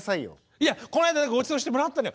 いやこの間ごちそうしてもらったのよ。